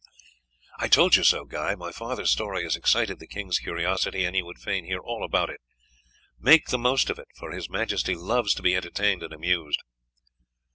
"I told you so, Guy; my father's story has excited the king's curiosity, and he would fain hear all about it. Make the most of it, for His Majesty loves to be entertained and amused."